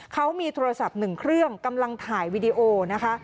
เขามีโทรศัพท์หนึ่งเครื่องกำลังถ่ายวีดีโอนะคะ